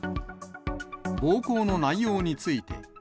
暴行の内容について。